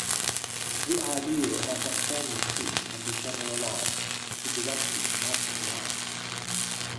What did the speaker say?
The idea of a spanning tree can be generalized to directed multigraphs.